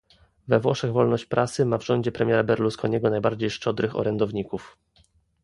We Włoszech wolność prasy ma w rządzie premiera Berlusconiego najbardziej szczodrych orędowników